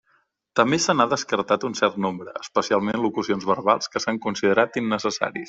També se n'ha descartat un cert nombre, especialment locucions verbals, que s'han considerat innecessaris.